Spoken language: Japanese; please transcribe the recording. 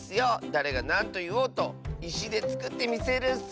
だれがなんといおうといしでつくってみせるッス！